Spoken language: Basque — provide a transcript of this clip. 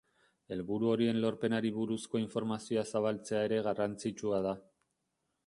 Helburu horien lorpenari buruzko informazioa zabaltzea ere garrantzitsua da.